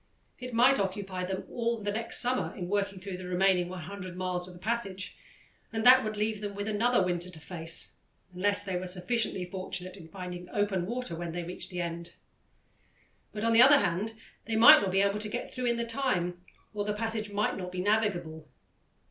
It might occupy them all the next summer in working through the remaining 100 miles of the passage, and that would leave them with another winter to face, unless they were sufficiently fortunate in finding open water when they reached the end. But, on the other hand, they might not be able to get through in the time, or the passage might not be navigable.